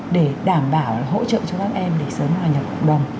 để đảm bảo hỗ trợ cho các em để sớm vào nhà cộng đồng